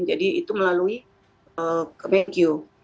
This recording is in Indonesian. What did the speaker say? jadi itu melalui kemenkeu